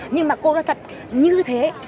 nhưng mà cô là thật như thế